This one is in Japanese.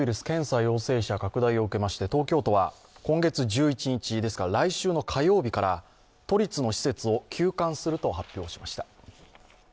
検査陽性者拡大を受けまして東京都は今月１１日、来週の火曜日から都立の施設を休館すると発表しました。